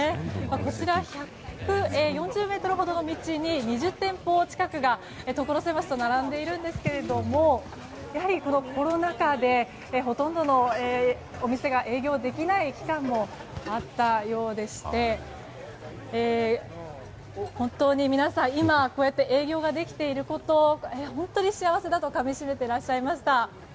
こちらは１４０ｍほどの道に２０店舗近くが、ところ狭しと並んでいるんですけれどもやはりコロナ禍でほとんどのお店が営業できない期間もあったようでして本当に皆さん、今こうやって営業ができていることを本当に幸せだとかみしめていらっしゃいました。